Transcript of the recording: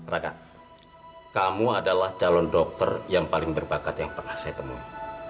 raga kamu adalah calon dokter yang paling berbakat yang pernah saya temui